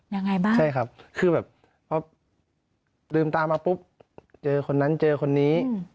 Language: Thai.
ยังไงบ้างใช่ครับคือแบบพอลืมตามาปุ๊บเจอคนนั้นเจอคนนี้